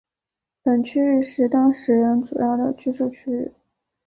本区域是当时人主要的居住区域。